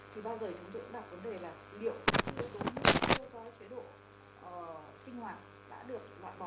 thì yếu tố nguy cơ